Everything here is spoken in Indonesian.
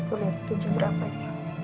udah jam berapa ini